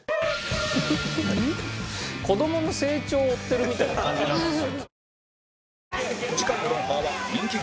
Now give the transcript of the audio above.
子どもの成長を追ってるみたいな感じなんですよ。